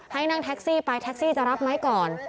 ให้นั่งแท็กซี่ไปแท็กซี่จะรับไหมก่อน